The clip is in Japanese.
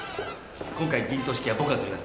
今回陣頭指揮は僕が取ります。